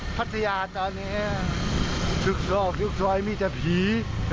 พัทยาตอนนี้ทุกนอกทุกซอยมีแต่ผี